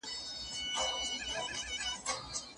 زه اجازه لرم چي منډه ووهم.